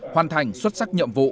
hoàn thành xuất sắc nhiệm vụ